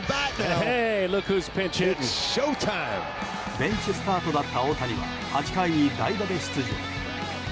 ベンチスタートだった大谷は８回に代打で出場。